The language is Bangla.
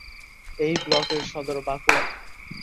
এই ব্লকের সদর বাঁকুড়া।